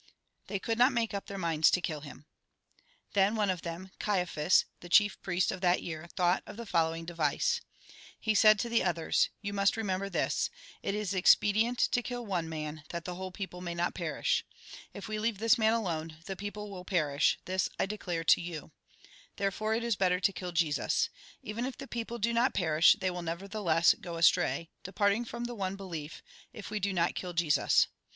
They could not make up their minds to kill him. Then one of them, Caiaphas, the chief priest of that year, thought of the following device. He Lk xi. 63. Jn. xi. 47. Lk. xix. 4V. Jn. xi. 49. 60. 128 THE WARFARE WITH TEMPTATION 127 66. 67. said to the others :" You must remember this : it is expedient to Icill one man, that the whole people may not perish. If we leave this man alone, the people will perish ; this I declare to you. There fore it is better to kill Jesus. Even if the people do not perish, they will nevertheless go astray, departing from the one belief, if we do not kill Jesus.